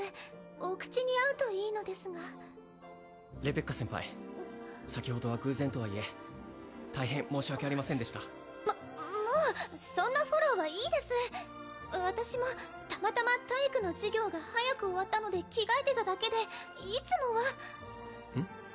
お口に合うといいのですがレベッカ先輩先ほどは偶然とはいえ大変申し訳ありませんでしたももうそんなフォローはいいです私もたまたま体育の授業が早く終わったので着替えてただけでいつもはうん？